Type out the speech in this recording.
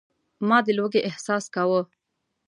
ما د لوږې احساس کاوه.